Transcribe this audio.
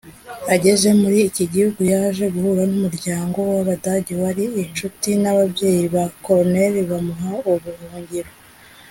Ageze muri iki gihugu yaje guhura n’umuryango w’abadage wari inshuti n’ababyeyi ba Corneille bamuha ubuhungiro